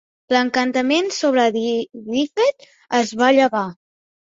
L'encantament sobre Dyfed es va llevar.